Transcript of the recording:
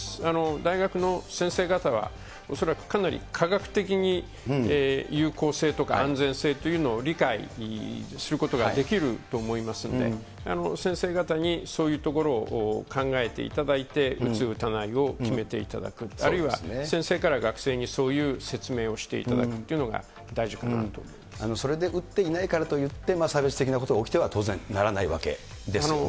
大学の先生方は、恐らくかなり科学的に有効性とか安全性というのを理解することができると思いますんで、先生方にそういうところを考えていただいて、打つ打たないを決めていただく、あるいは、先生から学生にそういう説明をしていただくというのが大事かなとそれで打っていないからといって、差別的なことが起きては当然ならないわけですよね。